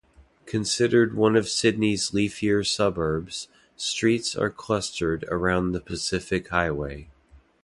Considered one of Sydney's leafier suburbs, streets are clustered around the Pacific Highway.